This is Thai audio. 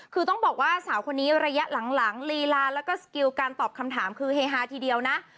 คือต้องบอกว่าสาวคนนี้ระยะหลังลีลาแล้วก็สกิลการตอบคำถามคือเฮฮาทีเดียวนะ